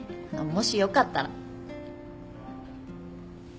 もしよかったら。